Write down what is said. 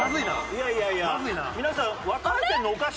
いやいやいや皆さん。